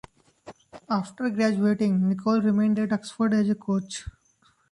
After graduating, Nicholl remained at Oxford as a coach.